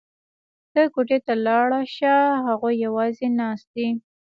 ته کوټې ته لاړه شه هغوی یوازې ناست دي